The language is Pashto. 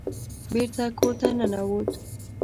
بېرته کور ته ننوت.